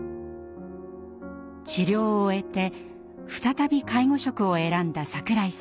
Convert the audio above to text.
治療を終えて再び介護職を選んだ櫻井さん。